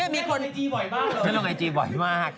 ไม่ต้องไอจีบ่อยมาก